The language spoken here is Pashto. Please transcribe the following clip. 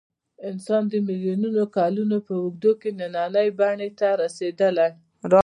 انسان د میلیونونو کلونو په اوږدو کې نننۍ بڼې ته رارسېدلی.